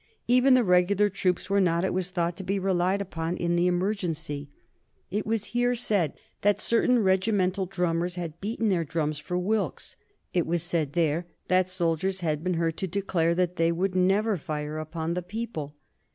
Even the regular troops were not, it was thought, to be relied upon in the emergency. It was said here that certain regimental drummers had beaten their drums for Wilkes; it was said there that soldiers had been heard to declare that they would never fire upon the people.